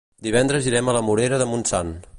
Divendres irem a la Morera de Montsant.